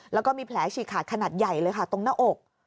แล้วก็มีแผลฉีกขาดขนาดใหญ่เลยค่ะตรงหน้าอก